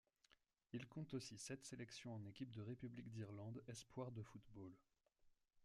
Il compte aussi sept sélections en équipe de République d'Irlande espoirs de football.